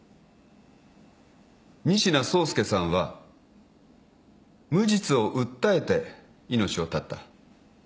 仁科壮介さんは無実を訴えて命を絶った。